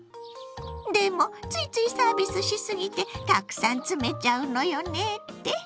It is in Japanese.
でもついついサービスしすぎてたくさん詰めちゃうのよねって？